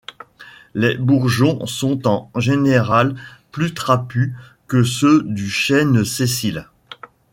Les bourgeons sont en général plus trapus que ceux du chêne sessile.